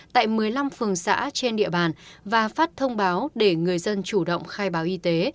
tại một mươi năm phường xã trên địa bàn và phát thông báo để người dân chủ động khai báo y tế